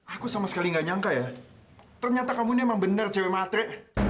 aku sama sekali gak nyangka ya ternyata kamu ini emang bener cewek matre